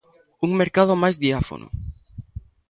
Un mercado máis diáfano